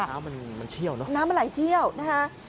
น้ำมันมันเชี่ยวเนอะน้ำมันไหลเชี่ยวนะคะ